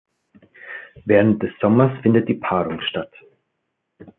Während des Sommers findet die Paarung statt.